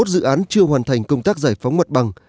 ba mươi một dự án chưa hoàn thành công tác giải phóng hoạt bằng